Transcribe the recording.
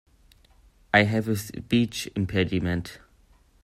I have a speech impediment.